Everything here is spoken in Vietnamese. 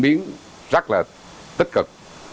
diễn biến rất là tích cực